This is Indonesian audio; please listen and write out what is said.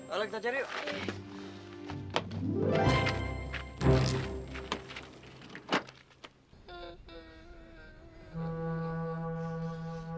ayo kita cari yuk